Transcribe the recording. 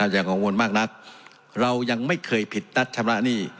อย่ากังวลมากนักเรายังไม่เคยผิดนัดชำระหนี้